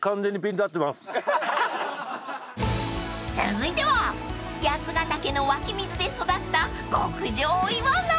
［続いては八ヶ岳の湧き水で育った極上イワナ］